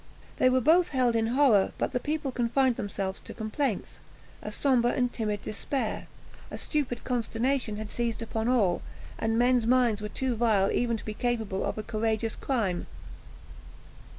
They were both held in horror, but the people confined themselves to complaints; a sombre and timid despair, a stupid consternation, had seized upon all, and men's minds were too vile even to be capable of a courageous crime."